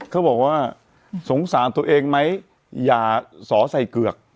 เขาบอกว่าสงสารตัวเองไหมอย่าสอใส่เกือก